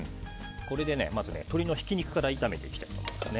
これでまず鶏のひき肉から炒めていきたいと思います。